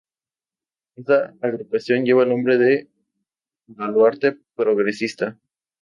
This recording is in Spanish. Esta agrupación lleva el nombre de Baluarte Progresista.